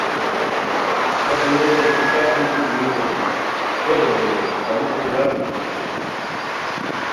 اچی ریتائے کی سرد بیتی برییومان کیہ بہیل ہوؤ قا لیپ انگار ݯوکی اوشوئے